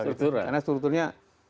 struktural karena strukturnya